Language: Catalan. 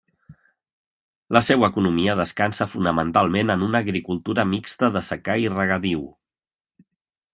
La seua economia descansa fonamentalment en una agricultura mixta de secà i regadiu.